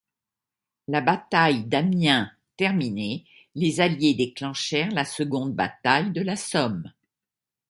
La bataille d'Amiens terminée, les Alliés déclenchèrent la seconde bataille de la Somme.